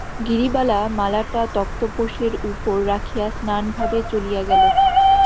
গিরিবালা মালাটা তক্তপোশের উপর রাখিয়া ম্লানভাবে চলিয়া গেল।